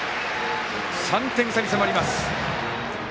３点差に迫ります。